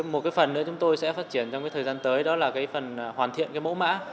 một phần nữa chúng tôi sẽ phát triển trong thời gian tới đó là phần hoàn thiện mẫu mã